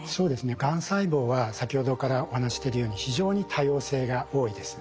がん細胞は先ほどからお話ししてるように非常に多様性が多いです。